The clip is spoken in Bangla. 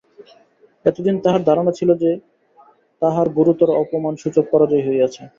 এতদিন তাঁহার ধারণা ছিল যে তাঁহার ঘোরতর অপমানসূচক পরাজয় হইয়াছে।